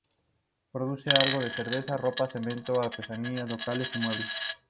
Produce algo de cerveza, ropas, cemento, artesanías locales y muebles.